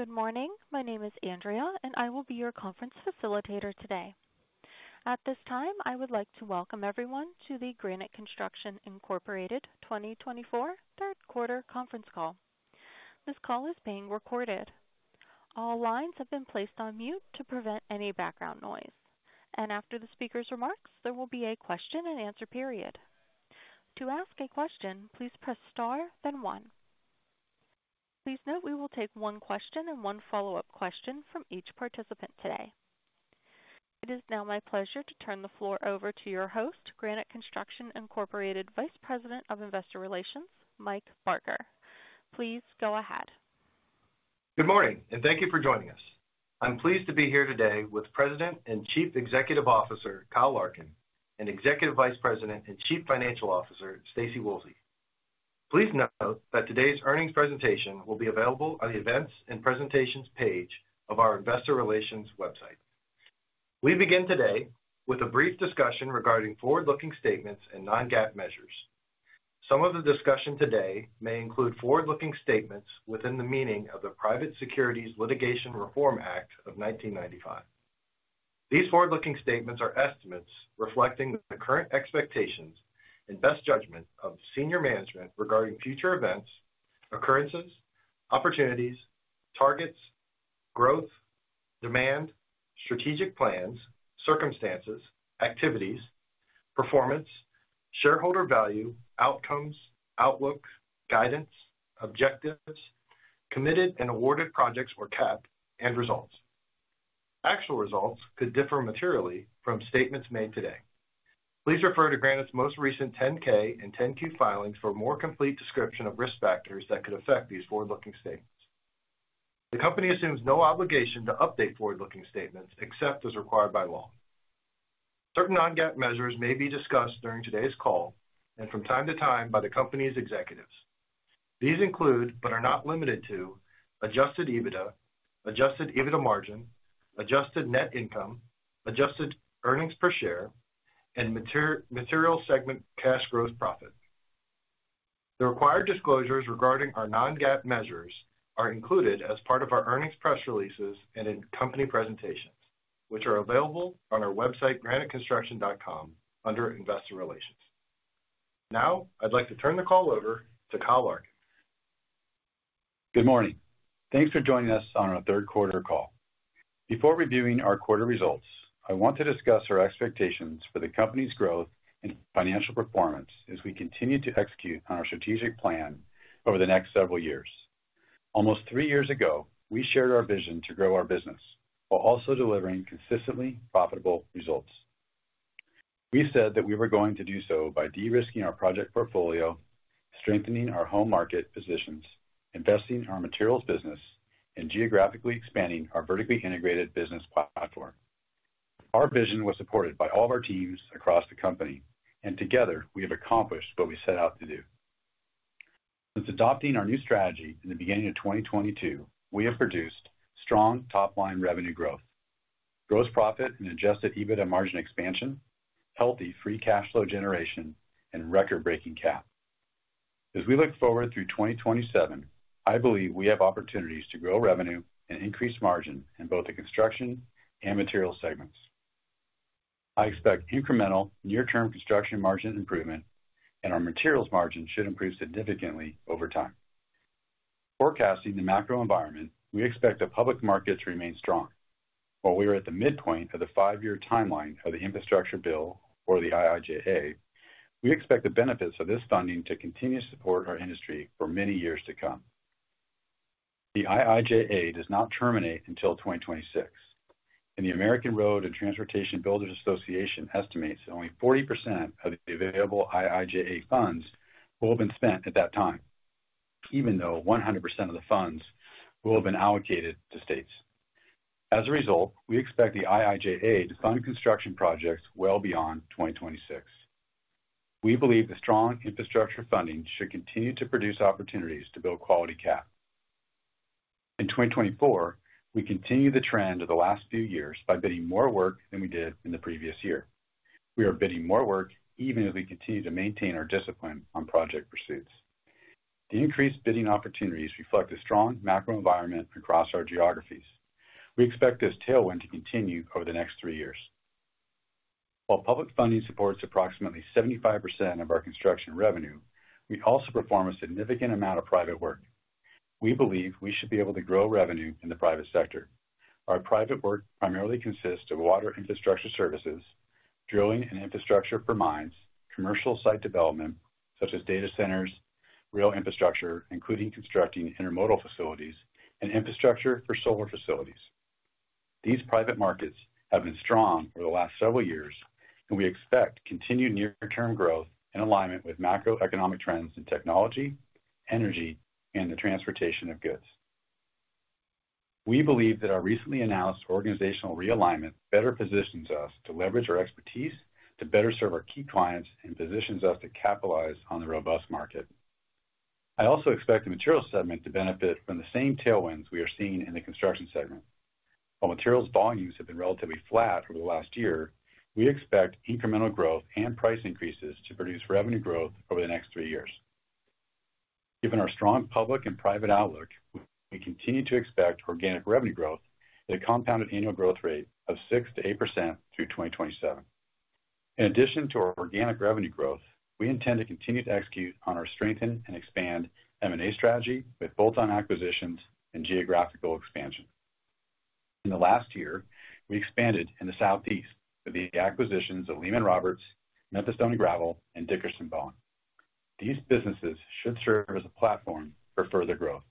Good morning. My name is Andrea, and I will be your conference facilitator today. At this time, I would like to welcome everyone to the Granite Construction Incorporated 2024 Third Quarter Conference Call. This call is being recorded. All lines have been placed on mute to prevent any background noise, and after the speaker's remarks, there will be a question and answer period. To ask a question, please press star, then one. Please note we will take one question and one follow-up question from each participant today. It is now my pleasure to turn the floor over to your host, Granite Construction Incorporated Vice President of Investor Relations, Mike Barker. Please go ahead. Good morning, and thank you for joining us. I'm pleased to be here today with President and Chief Executive Officer Kyle Larkin and Executive Vice President and Chief Financial Officer Staci Woolsey. Please note that today's earnings presentation will be available on the events and presentations page of our Investor Relations website. We begin today with a brief discussion regarding forward-looking statements and non-GAAP measures. Some of the discussion today may include forward-looking statements within the meaning of the Private Securities Litigation Reform Act of 1995. These forward-looking statements are estimates reflecting the current expectations and best judgment of senior management regarding future events, occurrences, opportunities, targets, growth, demand, strategic plans, circumstances, activities, performance, shareholder value, outcomes, outlook, guidance, objectives, committed and awarded projects, or CAP, and results. Actual results could differ materially from statements made today. Please refer to Granite's most recent 10-K and 10-Q filings for a more complete description of risk factors that could affect these forward-looking statements. The company assumes no obligation to update forward-looking statements except as required by law. Certain non-GAAP measures may be discussed during today's call and from time to time by the company's executives. These include, but are not limited to, Adjusted EBITDA, Adjusted EBITDA margin, Adjusted Net Income, Adjusted Earnings Per Share, and Materials segment cash gross profit. The required disclosures regarding our non-GAAP measures are included as part of our earnings press releases and in company presentations, which are available on our website, graniteconstruction.com, under Investor Relations. Now, I'd like to turn the call over to Kyle Larkin. Good morning. Thanks for joining us on our third quarter call. Before reviewing our quarter results, I want to discuss our expectations for the company's growth and financial performance as we continue to execute on our strategic plan over the next several years. Almost three years ago, we shared our vision to grow our business while also delivering consistently profitable results. We said that we were going to do so by de-risking our project portfolio, strengthening our home market positions, investing in our Materials business, and geographically expanding our vertically-integrated business platform. Our vision was supported by all of our teams across the company, and together, we have accomplished what we set out to do. Since adopting our new strategy in the beginning of 2022, we have produced strong top-line revenue growth, gross profit, and Adjusted EBITDA margin expansion, healthy free cash flow generation, and record-breaking CAP. As we look forward through 2027, I believe we have opportunities to grow revenue and increase margin in both the Construction and Materials segments. I expect incremental near-term Construction margin improvement, and our Materials margin should improve significantly over time. Forecasting the macro environment, we expect the public markets to remain strong. While we are at the midpoint of the five-year timeline of the infrastructure bill, or the IIJA, we expect the benefits of this funding to continue to support our industry for many years to come. The IIJA does not terminate until 2026, and the American Road and Transportation Builders Association estimates that only 40% of the available IIJA funds will have been spent at that time, even though 100% of the funds will have been allocated to states. As a result, we expect the IIJA to fund Construction projects well beyond 2026. We believe the strong infrastructure funding should continue to produce opportunities to build quality CAP. In 2024, we continue the trend of the last few years by bidding more work than we did in the previous year. We are bidding more work even as we continue to maintain our discipline on project pursuits. The increased bidding opportunities reflect a strong macro environment across our geographies. We expect this tailwind to continue over the next three years. While public funding supports approximately 75% of our Construction revenue, we also perform a significant amount of private work. We believe we should be able to grow revenue in the private sector. Our private work primarily consists of water infrastructure services, drilling and infrastructure for mines, commercial site development such as data centers, rail infrastructure, including constructing intermodal facilities, and infrastructure for solar facilities. These private markets have been strong for the last several years, and we expect continued near-term growth in alignment with macroeconomic trends in technology, energy, and the transportation of goods. We believe that our recently announced organizational realignment better positions us to leverage our expertise to better serve our key clients and positions us to capitalize on the robust market. I also expect the Materials segment to benefit from the same tailwinds we are seeing in the Construction segment. While Materials volumes have been relatively flat over the last year, we expect incremental growth and price increases to produce revenue growth over the next three years. Given our strong public and private outlook, we continue to expect organic revenue growth at a compounded annual growth rate of 6%-8% through 2027. In addition to our organic revenue growth, we intend to continue to execute on our strengthen and expand M&A strategy with bolt-on acquisitions and geographical expansion. In the last year, we expanded in the Southeast with the acquisitions of Lehman-Roberts, Memphis Stone & Gravel, and Dickerson & Bowen. These businesses should serve as a platform for further growth.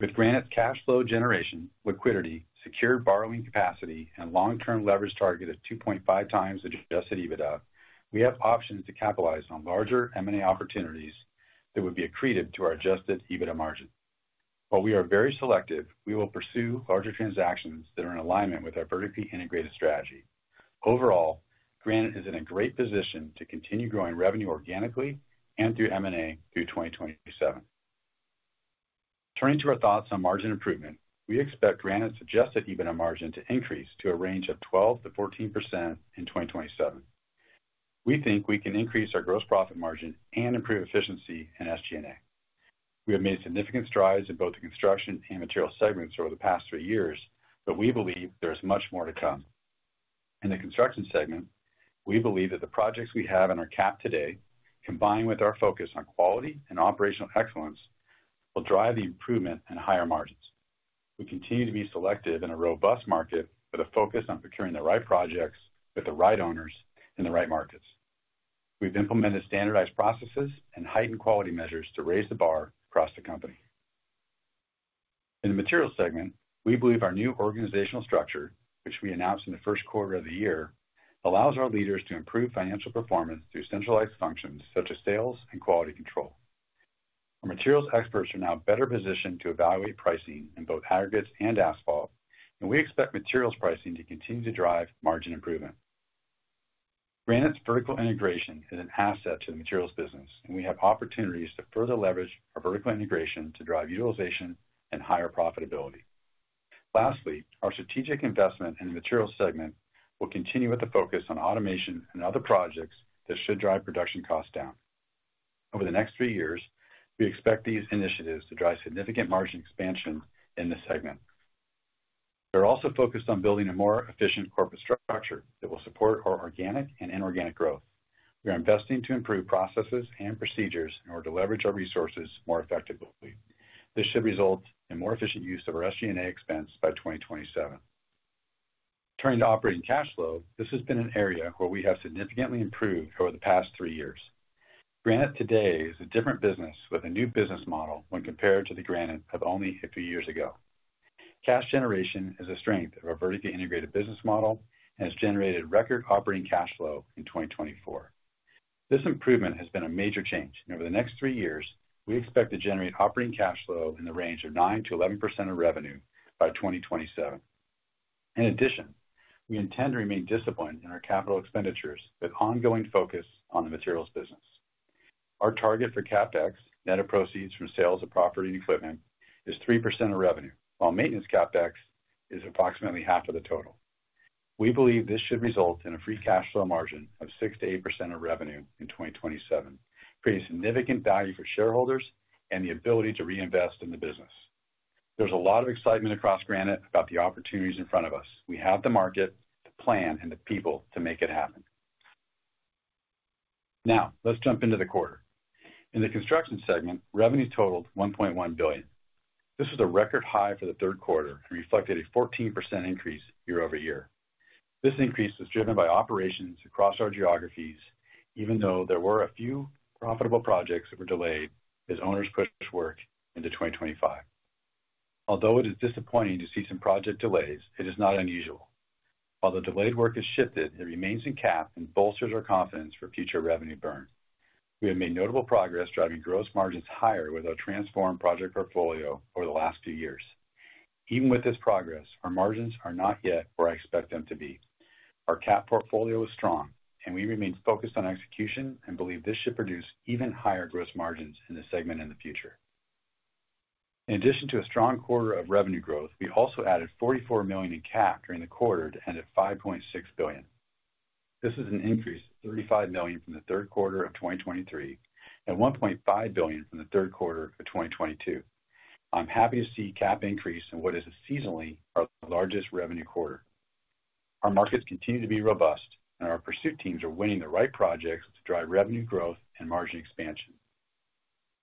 With Granite's cash flow generation, liquidity, secured borrowing capacity, and long-term leverage target of 2.5 times Adjusted EBITDA, we have options to capitalize on larger M&A opportunities that would be accretive to our Adjusted EBITDA margin. While we are very selective, we will pursue larger transactions that are in alignment with our vertically integrated strategy. Overall, Granite is in a great position to continue growing revenue organically and through M&A through 2027. Turning to our thoughts on margin improvement, we expect Granite's Adjusted EBITDA margin to increase to a range of 12%-14% in 2027. We think we can increase our gross profit margin and improve efficiency in SG&A. We have made significant strides in both the Construction and Materials segments over the past three years, but we believe there is much more to come. In the Construction segment, we believe that the projects we have in our CAP today, combined with our focus on quality and operational excellence, will drive the improvement and higher margins. We continue to be selective in a robust market with a focus on procuring the right projects with the right owners in the right markets. We've implemented standardized processes and heightened quality measures to raise the bar across the company. In the Materials segment, we believe our new organizational structure, which we announced in the first quarter of the year, allows our leaders to improve financial performance through centralized functions such as sales and quality control. Our Materials experts are now better positioned to evaluate pricing in both aggregates and asphalt, and we expect Materials pricing to continue to drive margin improvement. Granite's vertical integration is an asset to the Materials business, and we have opportunities to further leverage our vertical integration to drive utilization and higher profitability. Lastly, our strategic investment in the Materials segment will continue with the focus on automation and other projects that should drive production costs down. Over the next three years, we expect these initiatives to drive significant margin expansion in the segment. We're also focused on building a more efficient corporate structure that will support our organic and inorganic growth. We are investing to improve processes and procedures in order to leverage our resources more effectively. This should result in more efficient use of our SG&A expense by 2027. Turning to operating cash flow, this has been an area where we have significantly improved over the past three years. Granite today is a different business with a new business model when compared to the Granite of only a few years ago. Cash generation is a strength of our vertically integrated business model and has generated record operating cash flow in 2024. This improvement has been a major change, and over the next three years, we expect to generate operating cash flow in the range of 9%-11% of revenue by 2027. In addition, we intend to remain disciplined in our capital expenditures with ongoing focus on the Materials business. Our target for CapEx, net of proceeds from sales of property and equipment, is 3% of revenue, while maintenance CapEx is approximately half of the total. We believe this should result in a free cash flow margin of 6%-8% of revenue in 2027, creating significant value for shareholders and the ability to reinvest in the business. There's a lot of excitement across Granite about the opportunities in front of us. We have the market, the plan, and the people to make it happen. Now, let's jump into the quarter. In the Construction segment, revenue totaled $1.1 billion. This was a record high for the third quarter and reflected a 14% increase year-over-year. This increase was driven by operations across our geographies, even though there were a few profitable projects that were delayed as owners pushed work into 2025. Although it is disappointing to see some project delays, it is not unusual. While the delayed work has shifted, it remains in CAP and bolsters our confidence for future revenue burn. We have made notable progress driving gross margins higher with our transformed project portfolio over the last few years. Even with this progress, our margins are not yet where I expect them to be. Our CAP portfolio is strong, and we remain focused on execution and believe this should produce even higher gross margins in the segment in the future. In addition to a strong quarter of revenue growth, we also added $44 million in CAP during the quarter to end at $5.6 billion. This is an increase of $35 million from the third quarter of 2023 and $1.5 billion from the third quarter of 2022. I'm happy to see CAP increase in what is seasonally our largest revenue quarter. Our markets continue to be robust, and our pursuit teams are winning the right projects to drive revenue growth and margin expansion.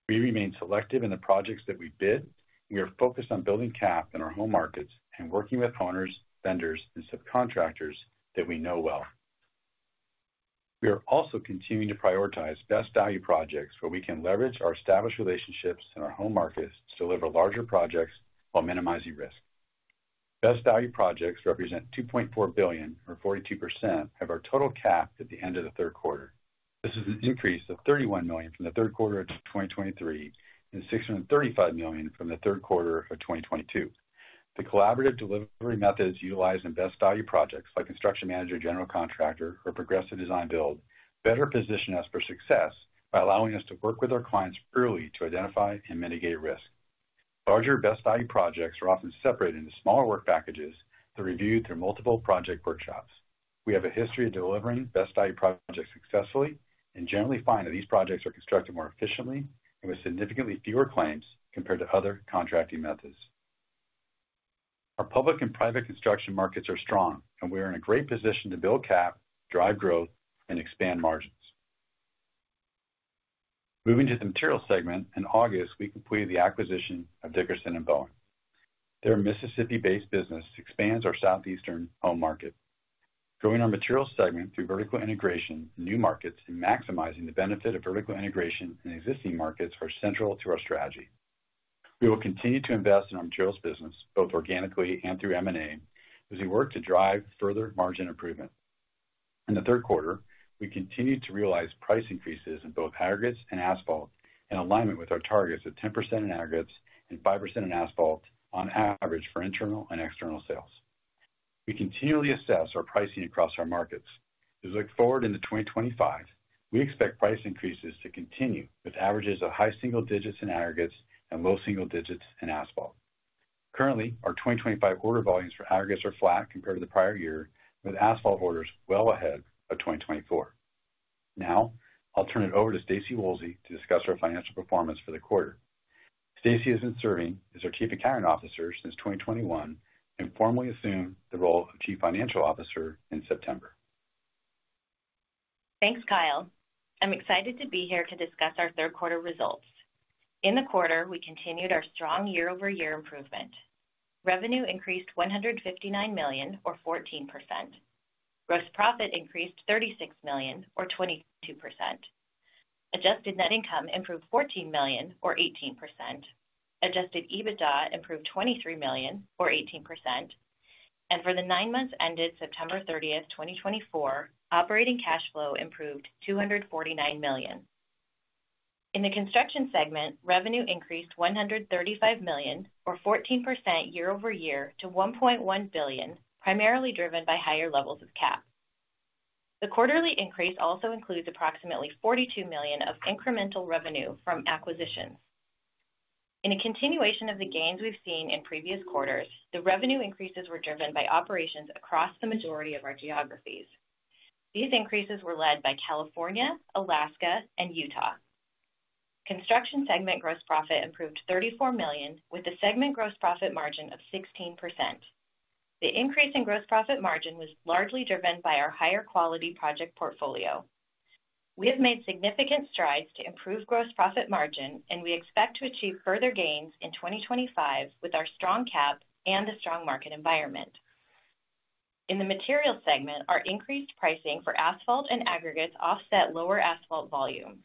We remain selective in the projects that we bid, and we are focused on building CAP in our home markets and working with owners, vendors, and subcontractors that we know well. We are also continuing to prioritize Best Value projects where we can leverage our established relationships in our home markets to deliver larger projects while minimizing risk. Best Value projects represent $2.4 billion, or 42%, of our total CAP at the end of the third quarter. This is an increase of $31 million from the third quarter of 2023 and $635 million from the third quarter of 2022. The collaborative delivery methods utilized in Best Value projects, like Construction Manager/General Contractor or Progressive Design-Build, better position us for success by allowing us to work with our clients early to identify and mitigate risk. Larger Best Value projects are often separated into smaller work packages that are reviewed through multiple project workshops. We have a history of delivering Best Value projects successfully and generally find that these projects are constructed more efficiently and with significantly fewer claims compared to other contracting methods. Our public and private Construction markets are strong, and we are in a great position to build CAP, drive growth, and expand margins. Moving to the Materials segment, in August, we completed the acquisition of Dickerson & Bowen. Their Mississippi-based business expands our southeastern home market. Growing our Materials segment through vertical integration, new markets, and maximizing the benefit of vertical integration in existing markets are central to our strategy. We will continue to invest in our Materials business, both organically and through M&A, as we work to drive further margin improvement. In the third quarter, we continue to realize price increases in both aggregates and asphalt in alignment with our targets of 10% in aggregates and 5% in asphalt on average for internal and external sales. We continually assess our pricing across our markets. As we look forward into 2025, we expect price increases to continue with averages of high single digits in aggregates and low single digits in asphalt. Currently, our 2025 order volumes for aggregates are flat compared to the prior year, with asphalt orders well ahead of 2024. Now, I'll turn it over to Staci Woolsey to discuss our financial performance for the quarter. Staci has been serving as our Chief Accounting Officer since 2021 and formally assumed the role of Chief Financial Officer in September. Thanks, Kyle. I'm excited to be here to discuss our third quarter results. In the quarter, we continued our strong year-over-year improvement. Revenue increased $159 million, or 14%. Gross profit increased $36 million, or 22%. Adjusted Net Income improved $14 million, or 18%. Adjusted EBITDA improved $23 million, or 18%. And for the nine months ended September 30th, 2024, operating cash flow improved $249 million. In the Construction segment, revenue increased $135 million, or 14% year-over-year, to $1.1 billion, primarily driven by higher levels of CAP. The quarterly increase also includes approximately $42 million of incremental revenue from acquisitions. In a continuation of the gains we've seen in previous quarters, the revenue increases were driven by operations across the majority of our geographies. These increases were led by California, Alaska, and Utah. Construction segment gross profit improved $34 million, with the segment gross profit margin of 16%. The increase in gross profit margin was largely driven by our higher quality project portfolio. We have made significant strides to improve gross profit margin, and we expect to achieve further gains in 2025 with our strong CAP and a strong market environment. In the Materials segment, our increased pricing for asphalt and aggregates offset lower asphalt volumes.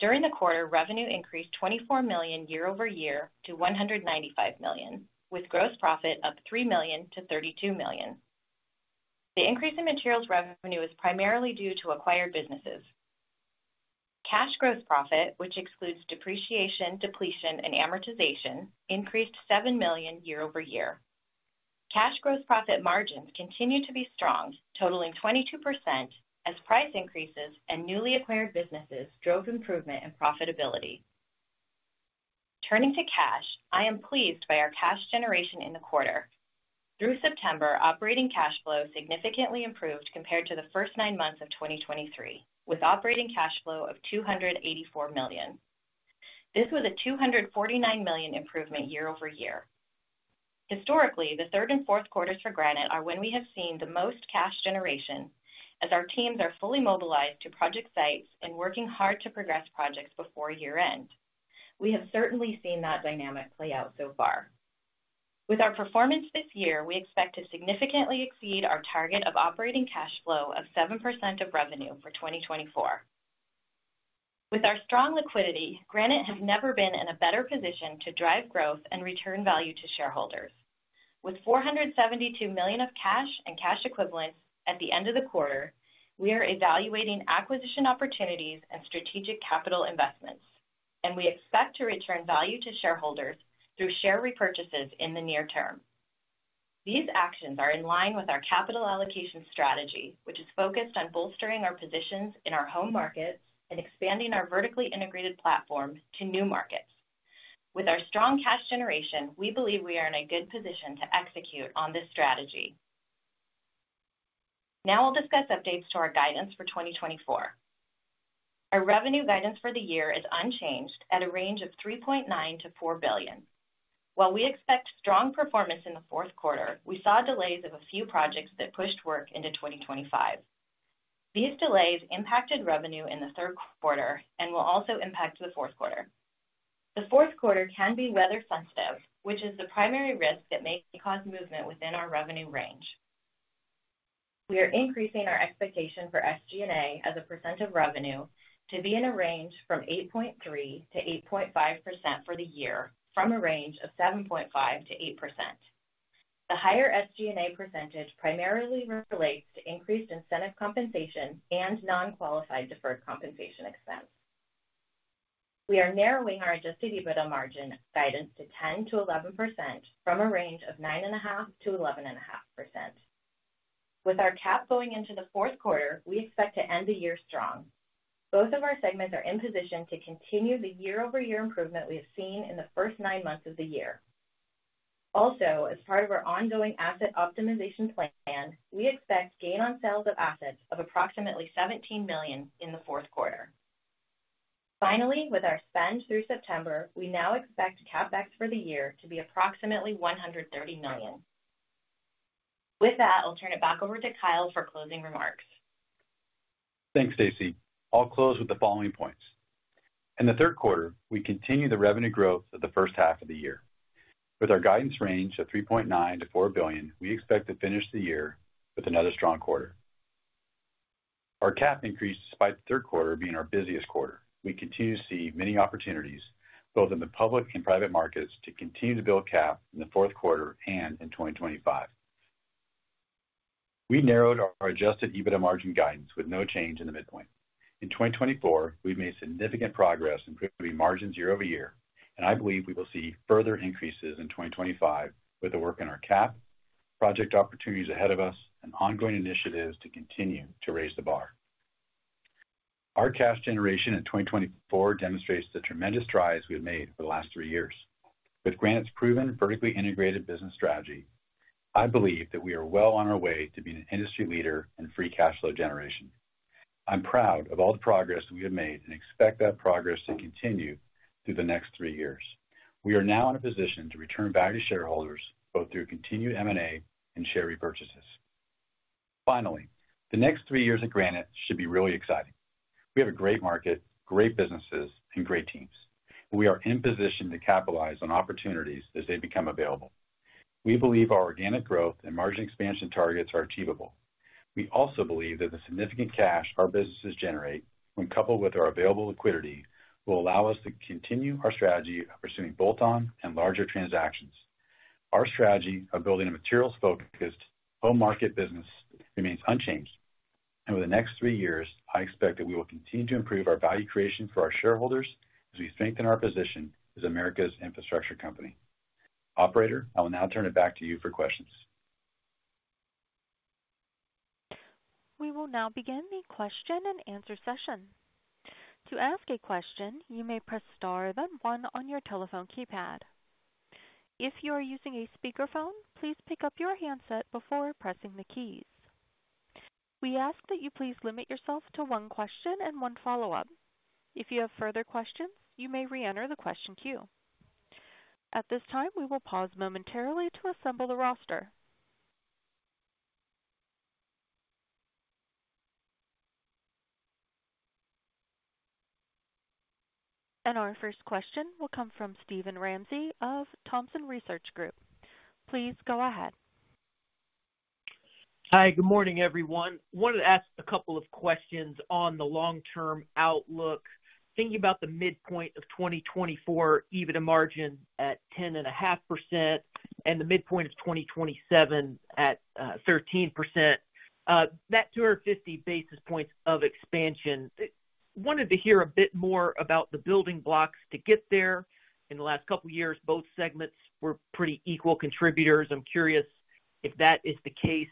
During the quarter, revenue increased $24 million year-over-year to $195 million, with gross profit up $3 million-$32 million. The increase in Materials revenue is primarily due to acquired businesses. Cash gross profit, which excludes depreciation, depletion, and amortization, increased $7 million year-over-year. Cash gross profit margins continue to be strong, totaling 22%, as price increases and newly acquired businesses drove improvement in profitability. Turning to cash, I am pleased by our cash generation in the quarter. Through September, operating cash flow significantly improved compared to the first nine months of 2023, with operating cash flow of $284 million. This was a $249 million improvement year-over-year. Historically, the third and fourth quarters for Granite are when we have seen the most cash generation, as our teams are fully mobilized to project sites and working hard to progress projects before year-end. We have certainly seen that dynamic play out so far. With our performance this year, we expect to significantly exceed our target of operating cash flow of 7% of revenue for 2024. With our strong liquidity, Granite has never been in a better position to drive growth and return value to shareholders. With $472 million of cash and cash equivalents at the end of the quarter, we are evaluating acquisition opportunities and strategic capital investments, and we expect to return value to shareholders through share repurchases in the near term. These actions are in line with our capital allocation strategy, which is focused on bolstering our positions in our home markets and expanding our vertically integrated platform to new markets. With our strong cash generation, we believe we are in a good position to execute on this strategy. Now I'll discuss updates to our guidance for 2024. Our revenue guidance for the year is unchanged at a range of $3.9 billion-$4 billion. While we expect strong performance in the fourth quarter, we saw delays of a few projects that pushed work into 2025. These delays impacted revenue in the third quarter and will also impact the fourth quarter. The fourth quarter can be weather-sensitive, which is the primary risk that may cause movement within our revenue range. We are increasing our expectation for SG&A as a percent of revenue to be in a range from 8.3%-8.5% for the year, from a range of 7.5%-8%. The higher SG&A percentage primarily relates to increased incentive compensation and non-qualified deferred compensation expense. We are narrowing our Adjusted EBITDA margin guidance to 10%-11% from a range of 9.5%-11.5%. With our CAP going into the fourth quarter, we expect to end the year strong. Both of our segments are in position to continue the year-over-year improvement we have seen in the first nine months of the year. Also, as part of our ongoing asset optimization plan, we expect gain on sales of assets of approximately $17 million in the fourth quarter. Finally, with our spend through September, we now expect CapEx for the year to be approximately $130 million. With that, I'll turn it back over to Kyle for closing remarks. Thanks, Staci. I'll close with the following points. In the third quarter, we continue the revenue growth of the first half of the year. With our guidance range of $3.9 billion-$4 billion, we expect to finish the year with another strong quarter. Our CAP increase despite the third quarter being our busiest quarter, we continue to see many opportunities, both in the public and private markets, to continue to build CAP in the fourth quarter and in 2025. We narrowed our Adjusted EBITDA margin guidance with no change in the midpoint. In 2024, we've made significant progress in improving margins year-over-year, and I believe we will see further increases in 2025 with the work in our CAP, project opportunities ahead of us, and ongoing initiatives to continue to raise the bar. Our cash generation in 2024 demonstrates the tremendous strides we have made over the last three years. With Granite's proven vertically integrated business strategy, I believe that we are well on our way to being an industry leader in free cash flow generation. I'm proud of all the progress we have made and expect that progress to continue through the next three years. We are now in a position to return value to shareholders, both through continued M&A and share repurchases. Finally, the next three years at Granite should be really exciting. We have a great market, great businesses, and great teams. We are in position to capitalize on opportunities as they become available. We believe our organic growth and margin expansion targets are achievable. We also believe that the significant cash our businesses generate, when coupled with our available liquidity, will allow us to continue our strategy of pursuing bolt-on and larger transactions. Our strategy of building a Materials focused, home market business remains unchanged, and over the next three years, I expect that we will continue to improve our value creation for our shareholders as we strengthen our position as America's infrastructure company. Operator, I will now turn it back to you for questions. We will now begin the question-and-answer session. To ask a question, you may press star then one on your telephone keypad. If you are using a speakerphone, please pick up your handset before pressing the keys. We ask that you please limit yourself to one question and one follow-up. If you have further questions, you may re-enter the question queue. At this time, we will pause momentarily to assemble the roster, and our first question will come from Steven Ramsey of Thompson Research Group. Please go ahead. Hi, good morning, everyone. I wanted to ask a couple of questions on the long-term outlook, thinking about the midpoint of 2024, EBITDA margin at 10.5%, and the midpoint of 2027 at 13%, that 250 basis points of expansion. I wanted to hear a bit more about the building blocks to get there. In the last couple of years, both segments were pretty equal contributors. I'm curious if that is the case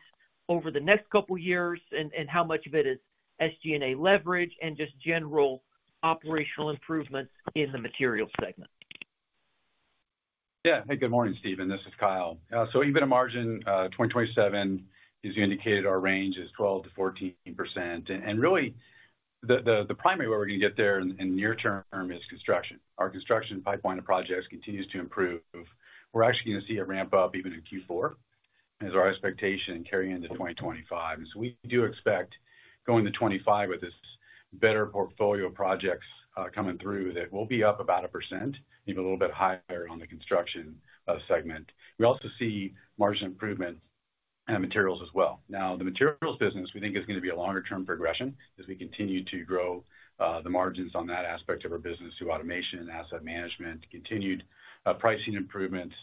over the next couple of years and how much of it is SG&A leverage and just general operational improvements in the Materials segment. Yeah. Hey, good morning, Steven. This is Kyle. So EBITDA margin 2027, as you indicated, our range is 12%-14%. And really, the primary way we're going to get there in the near term is Construction. Our Construction pipeline of projects continues to improve. We're actually going to see a ramp-up even in Q4, as our expectation carrying into 2025, and so we do expect going into 2025 with this better portfolio of projects coming through that we'll be up about 1%, maybe a little bit higher on the Construction segment. We also see margin improvement in Materials as well. Now, the Materials business, we think, is going to be a longer-term progression as we continue to grow the margins on that aspect of our business through automation and asset management, continued pricing improvements,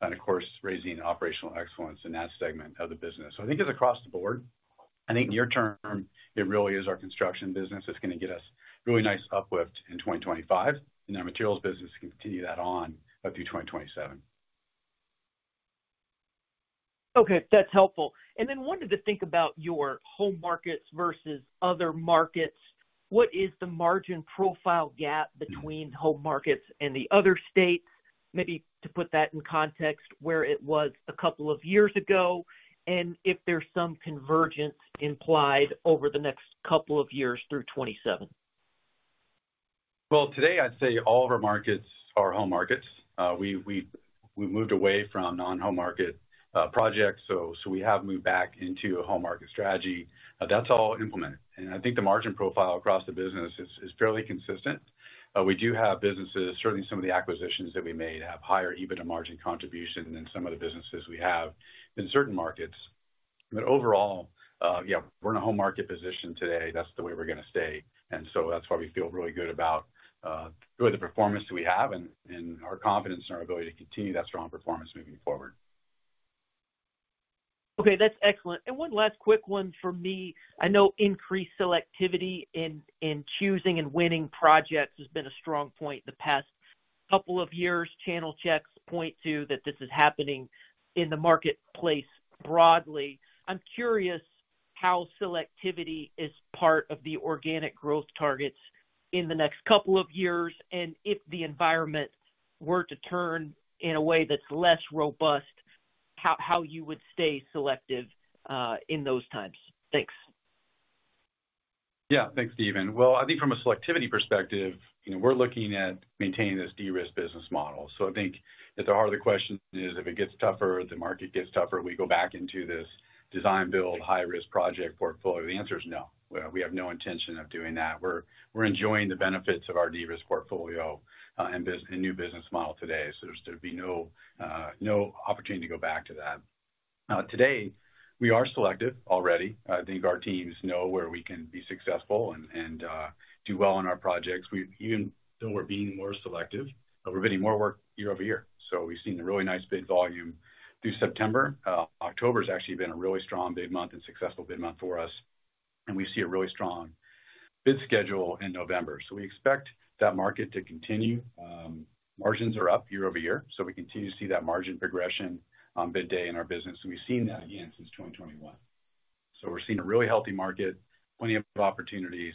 and, of course, raising operational excellence in that segment of the business, so I think it's across the board. I think near-term, it really is our Construction business that's going to get us really nice uplift in 2025, and our Materials business can continue that on through 2027. Okay. That's helpful. And then wanted to think about your home markets versus other markets. What is the margin profile gap between home markets and the other states, maybe to put that in context where it was a couple of years ago, and if there's some convergence implied over the next couple of years through 2027? Well, today, I'd say all of our markets are home markets. We've moved away from non-home market projects, so we have moved back into a home market strategy. That's all implemented. And I think the margin profile across the business is fairly consistent. We do have businesses, certainly, some of the acquisitions that we made have higher EBITDA margin contribution than some of the businesses we have in certain markets. But overall, yeah, we're in a home market position today. That's the way we're going to stay. And so that's why we feel really good about the performance that we have and our confidence in our ability to continue that strong performance moving forward. Okay. That's excellent. And one last quick one for me. I know increased selectivity in choosing and winning projects has been a strong point the past couple of years. Channel checks point to that this is happening in the marketplace broadly. I'm curious how selectivity is part of the organic growth targets in the next couple of years, and if the environment were to turn in a way that's less robust, how you would stay selective in those times. Thanks. Yeah. Thanks, Steven. Well, I think from a selectivity perspective, we're looking at maintaining this de-risk business model. So I think at the heart of the question is, if it gets tougher, the market gets tougher, we go back into this design-build high-risk project portfolio. The answer is no. We have no intention of doing that. We're enjoying the benefits of our de-risk portfolio and new business model today, so there'd be no opportunity to go back to that. Today, we are selective already. I think our teams know where we can be successful and do well on our projects. Even though we're being more selective, we're bidding more work year-over-year. So we've seen a really nice bid volume through September. October has actually been a really strong bid month and successful bid month for us, and we see a really strong bid schedule in November. So we expect that market to continue. Margins are up year-over-year, so we continue to see that margin progression on bid day in our business. And we've seen that again since 2021. So we're seeing a really healthy market, plenty of opportunities,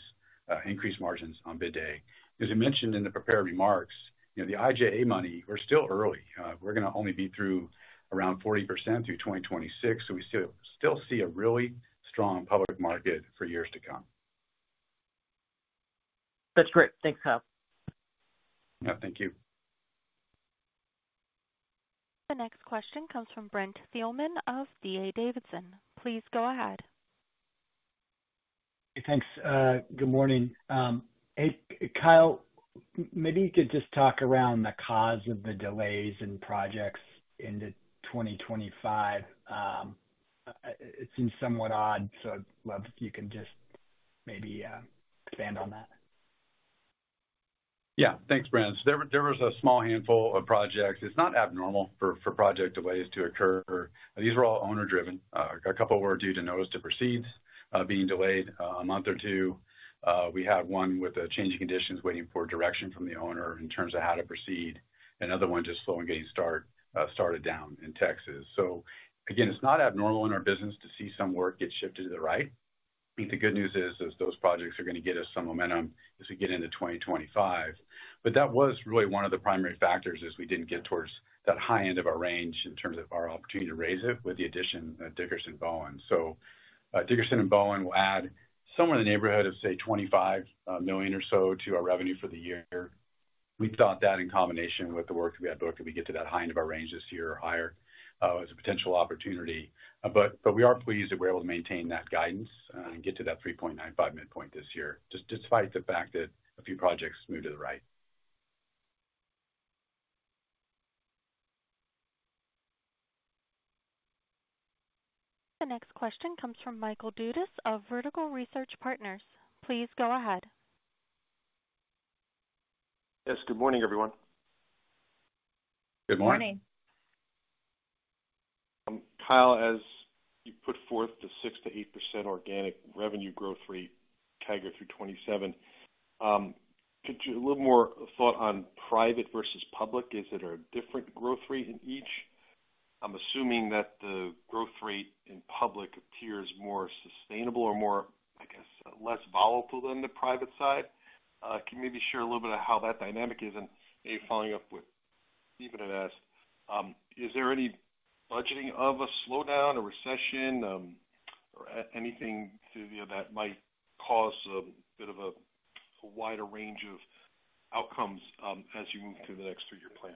increased margins on bid day. As you mentioned in the prepared remarks, the IIJA money, we're still early. We're going to only be through around 40% through 2026, so we still see a really strong public market for years to come. That's great. Thanks, Kyle. Yeah. Thank you. The next question comes from Brent Thielmann of D.A. Davidson. Please go ahead. Thanks. Good morning. Kyle, maybe you could just talk around the cause of the delays in projects into 2025. It seems somewhat odd, so I'd love if you can just maybe expand on that. Yeah. Thanks, Brent. There was a small handful of projects. It's not abnormal for project delays to occur. These were all owner-driven. A couple were due to notice to proceed being delayed a month or two. We have one with changing conditions waiting for direction from the owner in terms of how to proceed. Another one just slow and getting started down in Texas. So again, it's not abnormal in our business to see some work get shifted to the right. I think the good news is those projects are going to get us some momentum as we get into 2025. But that was really one of the primary factors as we didn't get towards that high end of our range in terms of our opportunity to raise it with the addition of Dickerson & Bowen. So Dickerson & Bowen will add somewhere in the neighborhood of, say, $25 million or so to our revenue for the year. We thought that in combination with the work that we had booked, we could get to that high end of our range this year or higher as a potential opportunity. But we are pleased that we're able to maintain that guidance and get to that 3.95 midpoint this year, despite the fact that a few projects moved to the right. The next question comes from Michael Dudas of Vertical Research Partners. Please go ahead. Yes. Good morning, everyone. Good morning. Good morning. Kyle, as you put forth the 6%-8% organic revenue growth rate CAGR through 2027, a little more thought on private versus public. Is it a different growth rate in each? I'm assuming that the growth rate in public appears more sustainable or more, I guess, less volatile than the private side. Can you maybe share a little bit of how that dynamic is? And maybe following up with Steven and ask, is there any budgeting of a slowdown, a recession, or anything that might cause a bit of a wider range of outcomes as you move through the next three-year plan?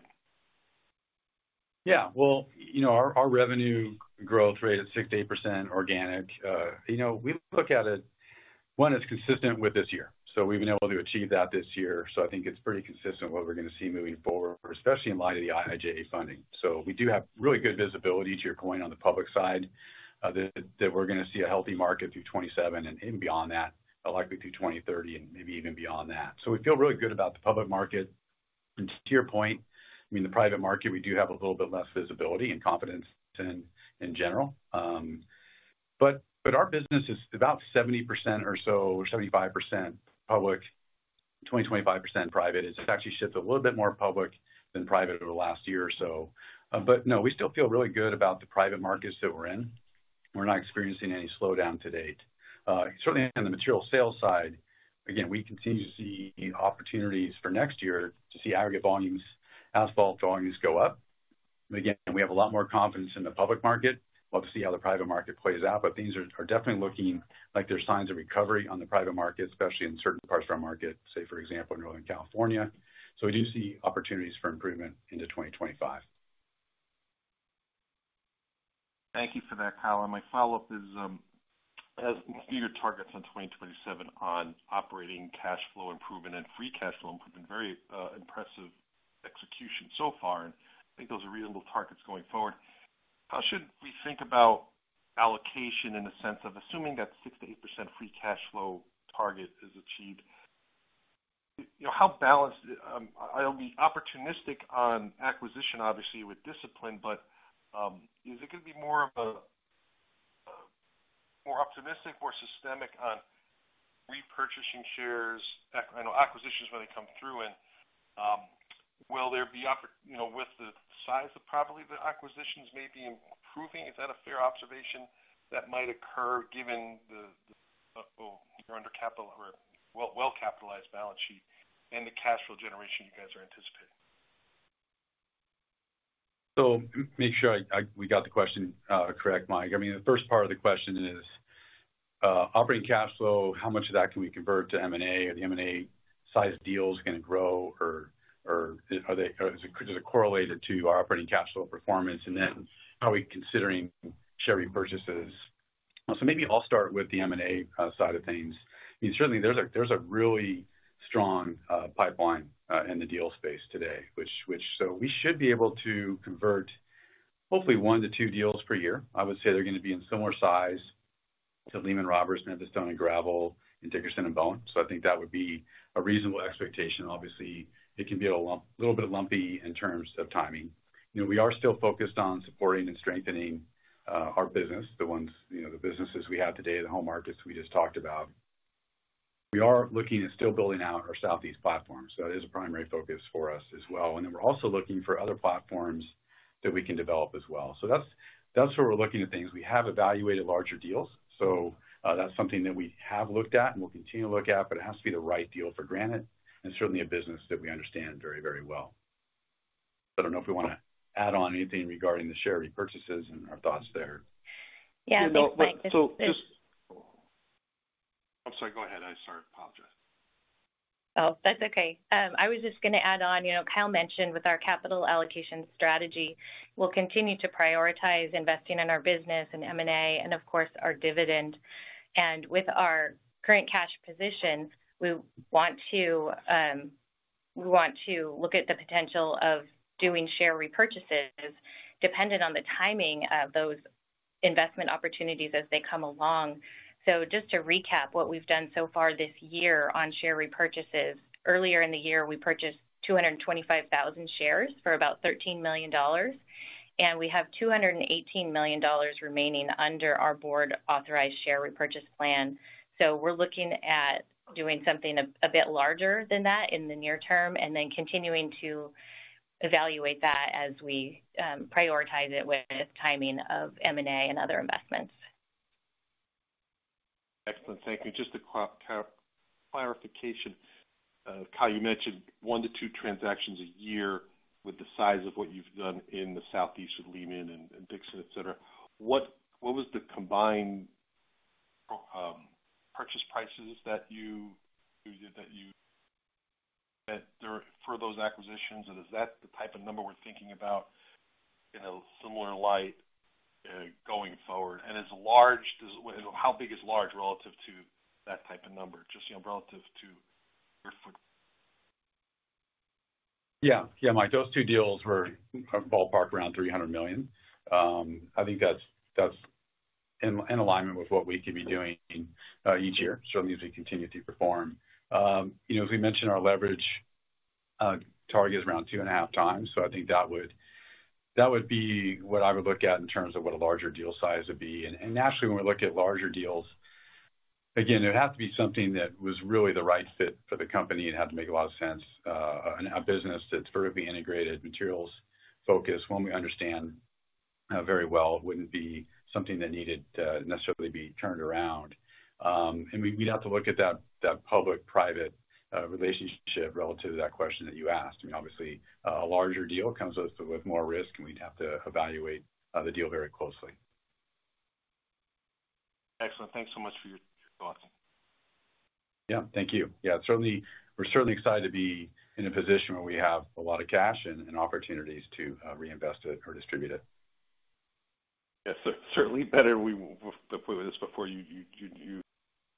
Yeah. Well, our revenue growth rate at 6%-8% organic, we look at it, one, it's consistent with this year. So we've been able to achieve that this year. So I think it's pretty consistent with what we're going to see moving forward, especially in light of the IIJA funding. So we do have really good visibility, to your point, on the public side that we're going to see a healthy market through 2027 and even beyond that, likely through 2030 and maybe even beyond that. So we feel really good about the public market. And to your point, I mean, the private market, we do have a little bit less visibility and confidence in general. But our business is about 70% or so, 75% public, 20%-25% private. It's actually shifted a little bit more public than private over the last year or so. But no, we still feel really good about the private markets that we're in. We're not experiencing any slowdown to date. Certainly, on the Material sales side, again, we continue to see opportunities for next year to see aggregate volumes, asphalt volumes go up. Again, we have a lot more confidence in the public market. We'll have to see how the private market plays out, but things are definitely looking like there's signs of recovery on the private market, especially in certain parts of our market, say, for example, in Northern California. So we do see opportunities for improvement into 2025. Thank you for that, Kyle. And my follow-up is, as your targets in 2027 on operating cash flow improvement and free cash flow improvement, very impressive execution so far. And I think those are reasonable targets going forward. How should we think about allocation in the sense of assuming that 6%-8% free cash flow target is achieved? How balanced? I'll be opportunistic on acquisition, obviously, with discipline, but is it going to be more optimistic, more systematic on repurchasing shares? I know acquisitions really come through, and will there be opportunity with the size of probably the acquisitions may be improving? Is that a fair observation that might occur given your well-capitalized balance sheet and the cash flow generation you guys are anticipating? So make sure we got the question correct, Mike. I mean, the first part of the question is operating cash flow, how much of that can we convert to M&A? Are the M&A size of deals going to grow, or is it correlated to our operating cash flow performance? And then are we considering share repurchases? So maybe I'll start with the M&A side of things. I mean, certainly, there's a really strong pipeline in the deal space today, which so we should be able to convert hopefully one to two deals per year. I would say they're going to be in similar size to Lehman-Roberts, Memphis Stone & Gravel, and Dickerson & Bowen. So I think that would be a reasonable expectation. Obviously, it can be a little bit lumpy in terms of timing. We are still focused on supporting and strengthening our business, the businesses we have today, the home markets we just talked about. We are looking at still building out our Southeast platform. So that is a primary focus for us as well. And then we're also looking for other platforms that we can develop as well. So that's where we're looking at things. We have evaluated larger deals. So that's something that we have looked at and we'll continue to look at, but it has to be the right deal for Granite and certainly a business that we understand very, very well. I don't know if we want to add on anything regarding the share repurchases and our thoughts there. Yeah. So just, I'm sorry. Go ahead. I apologize. Oh, that's okay. I was just going to add on. Kyle mentioned with our capital allocation strategy, we'll continue to prioritize investing in our business and M&A and, of course, our dividend. And with our current cash position, we want to look at the potential of doing share repurchases dependent on the timing of those investment opportunities as they come along. So just to recap what we've done so far this year on share repurchases, earlier in the year, we purchased 225,000 shares for about $13 million, and we have $218 million remaining under our board-authorized share repurchase plan. So we're looking at doing something a bit larger than that in the near term and then continuing to evaluate that as we prioritize it with timing of M&A and other investments. Excellent. Thank you. Just a quick clarification. Kyle, you mentioned one to two transactions a year with the size of what you've done in the Southeast with Lehman-Roberts and Dickerson, etc. What was the combined purchase prices that you did for those acquisitions? Is that the type of number we're thinking about in a similar light going forward? And how big is large relative to that type of number, just relative to your footprint? Yeah. Yeah, Mike, those two deals were ballpark around $300 million. I think that's in alignment with what we could be doing each year, certainly as we continue to perform. As we mentioned, our leverage target is around two and a half times. So I think that would be what I would look at in terms of what a larger deal size would be. And naturally, when we look at larger deals, again, it would have to be something that was really the right fit for the company and had to make a lot of sense. A business that's vertically integrated, Materials focused, one we understand very well wouldn't be something that needed to necessarily be turned around. And we'd have to look at that public-private relationship relative to that question that you asked. I mean, obviously, a larger deal comes with more risk, and we'd have to evaluate the deal very closely. Excellent. Thanks so much for your thoughts. Yeah. Thank you. Yeah. We're certainly excited to be in a position where we have a lot of cash and opportunities to reinvest it or distribute it. Yes. Certainly better. We were with this before you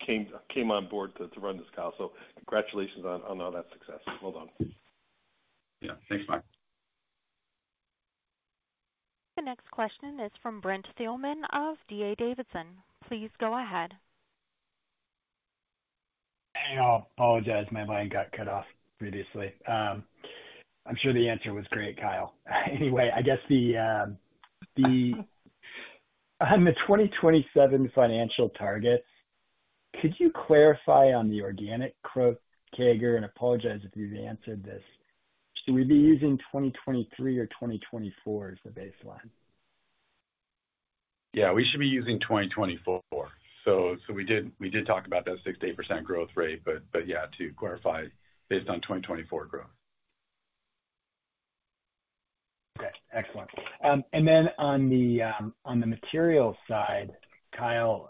came on board to run this, Kyle. So congratulations on all that success. Well done. Yeah. Thanks, Mike. The next question is from Brent Thielmann of D.A. Davidson. Please go ahead. Hey, I apologize. My line got cut off previously. I'm sure the answer was great, Kyle. Anyway, I guess on the 2027 financial targets, could you clarify on the organic growth CAGR? And apologize if you've answered this. Should we be using 2023 or 2024 as the baseline? Yeah. We should be using 2024. So we did talk about that 6%-8% growth rate. But yeah, to clarify, based on 2024 growth. Okay. Excellent. And then on the Materials side, Kyle,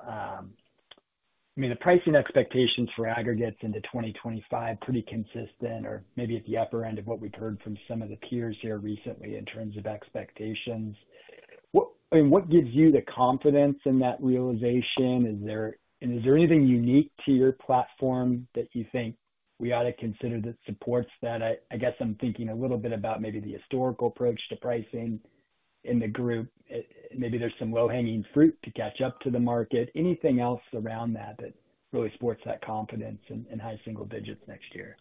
I mean, the pricing expectations for aggregates into 2025 are pretty consistent or maybe at the upper end of what we've heard from some of the peers here recently in terms of expectations. I mean, what gives you the confidence in that realization? And is there anything unique to your platform that you think we ought to consider that supports that? I guess I'm thinking a little bit about maybe the historical approach to pricing in the group. Maybe there's some low-hanging fruit to catch up to the market. Anything else around that that really supports that confidence in high single digits next year?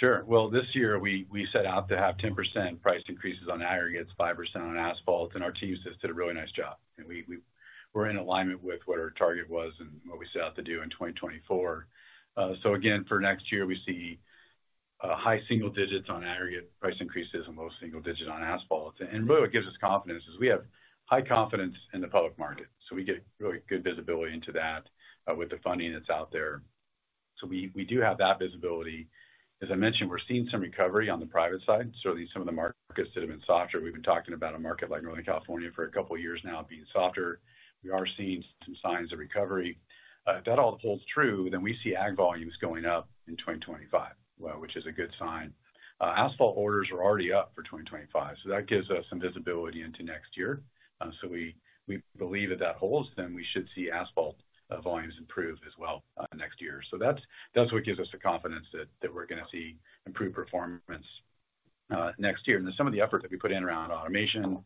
Sure. This year, we set out to have 10% price increases on aggregates, 5% on asphalt. Our teams just did a really nice job. We're in alignment with what our target was and what we set out to do in 2024. Again, for next year, we see high single digits on aggregate price increases and low single digits on asphalt. Really, what gives us confidence is we have high confidence in the public market. We get really good visibility into that with the funding that's out there. We do have that visibility. As I mentioned, we're seeing some recovery on the private side. Certainly, some of the markets that have been softer. We've been talking about a market like Northern California for a couple of years now being softer. We are seeing some signs of recovery. If that all holds true, then we see agg volumes going up in 2025, which is a good sign. Asphalt orders are already up for 2025. So that gives us some visibility into next year. So we believe if that holds, then we should see asphalt volumes improve as well next year. So that's what gives us the confidence that we're going to see improved performance next year. And then some of the effort that we put in around automation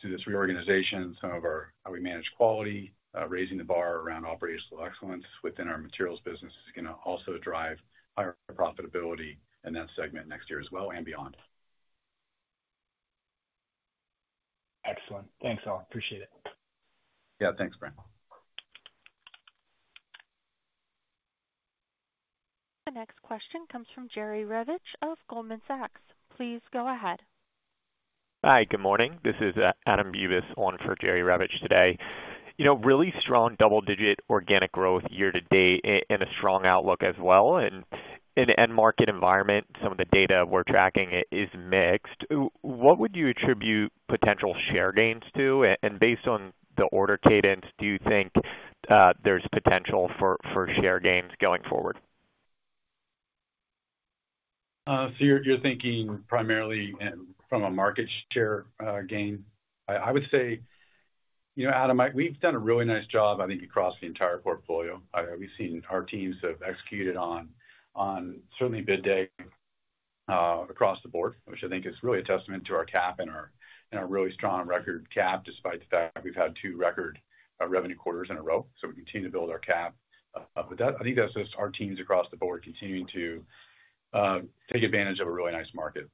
through this reorganization, some of our how we manage quality, raising the bar around operational excellence within our Materials business is going to also drive higher profitability in that segment next year as well and beyond. Excellent. Thanks, all. Appreciate it. Yeah. Thanks, Brent. The next question comes from Jerry Revich of Goldman Sachs. Please go ahead. Hi. Good morning. This is Adam Bubes on for Jerry Revich today. Really strong double-digit organic growth year to date and a strong outlook as well. In the end market environment, some of the data we're tracking is mixed. What would you attribute potential share gains to? And based on the order cadence, do you think there's potential for share gains going forward? So you're thinking primarily from a market share gain? I would say, Adam, we've done a really nice job, I think, across the entire portfolio. We've seen our teams have executed on, certainly, bid day across the board, which I think is really a testament to our CAP and our really strong record CAP despite the fact we've had two record revenue quarters in a row. So we continue to build our CAP. But I think that's just our teams across the board continuing to take advantage of a really nice market.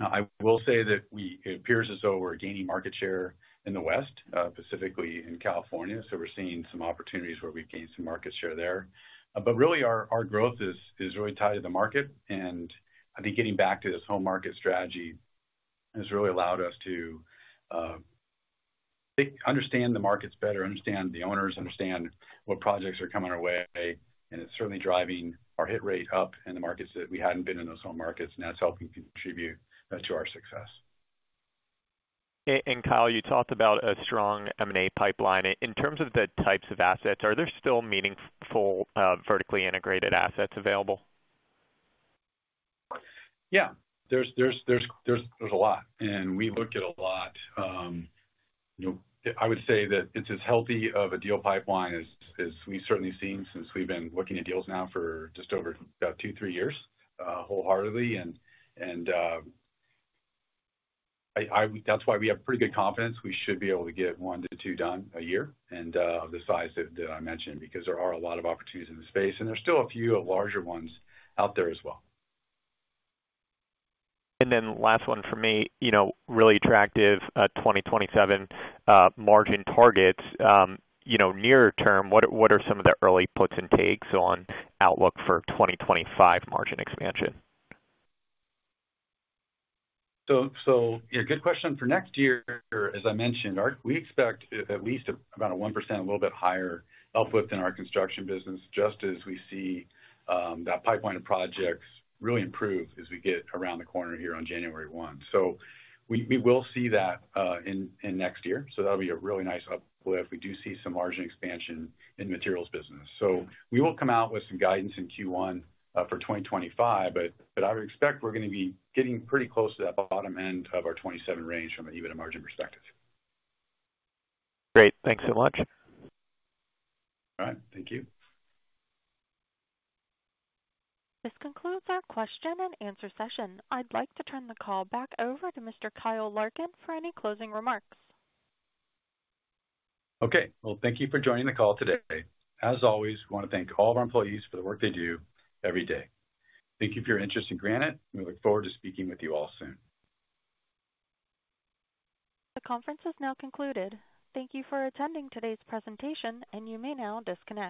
Now, I will say that it appears as though we're gaining market share in the West, specifically in California. So we're seeing some opportunities where we've gained some market share there. But really, our growth is really tied to the market. And I think getting back to this home market strategy has really allowed us to understand the markets better, understand the owners, understand what projects are coming our way. And it's certainly driving our hit rate up in the markets that we hadn't been in those home markets. And that's helping contribute to our success. And Kyle, you talked about a strong M&A pipeline. In terms of the types of assets, are there still meaningful vertically integrated assets available? Yeah. There's a lot. And we look at a lot. I would say that it's as healthy of a deal pipeline as we've certainly seen since we've been looking at deals now for just over about two, three years wholeheartedly. And that's why we have pretty good confidence we should be able to get one to two done a year and of the size that I mentioned because there are a lot of opportunities in the space. And there's still a few larger ones out there as well. And then last one for me, really attractive 2027 margin targets. Near term, what are some of the early puts and takes on outlook for 2025 margin expansion? So good question. For next year, as I mentioned, we expect at least about a 1%, a little bit higher uplift in our Construction business just as we see that pipeline of projects really improve as we get around the corner here on January 1. So we will see that in next year. So that'll be a really nice uplift if we do see some margin expansion in Materials business. So we will come out with some guidance in Q1 for 2025, but I would expect we're going to be getting pretty close to that bottom end of our 2027 range from an EBITDA margin perspective. Great. Thanks so much. All right. Thank you. This concludes our question and answer session. I'd like to turn the call back over to Mr. Kyle Larkin for any closing remarks. Okay. Well, thank you for joining the call today. As always, we want to thank all of our employees for the work they do every day. Thank you for your interest in Granite. We look forward to speaking with you all soon. The conference is now concluded. Thank you for attending today's presentation, and you may now disconnect.